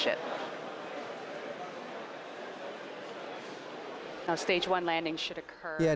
stage satu akan berlaku